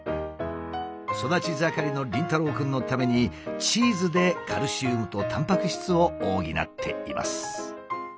育ち盛りの凛太郎くんのためにチーズでカルシウムとたんぱく質を補っています。